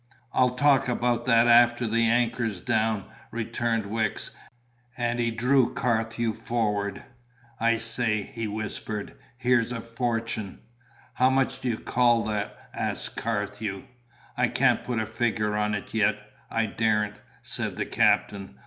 "I'll talk about that after the anchor's down," returned Wicks, and he drew Carthew forward. "I say," he whispered, "here's a fortune." "How much do you call that?" asked Carthew. "I can't put a figure on it yet I daren't!" said the captain.